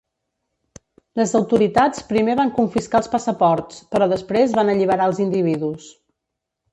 Les autoritats primer van confiscar els passaports, però després van alliberar els individus.